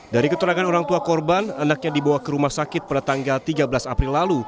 dari keterangan orang tua korban anaknya dibawa ke rumah sakit pada tanggal tiga belas april lalu